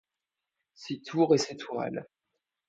Ses tours et ses tourelles.